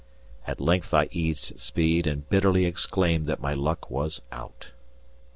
At length I eased speed and bitterly exclaimed that my luck was out.